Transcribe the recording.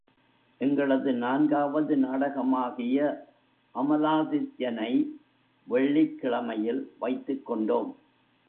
எங்களது நான்காவது நாடகமாகிய அமலாதித்யனை வெள்ளிக் கிழமையில் வைத்துக்கொண்டோம்.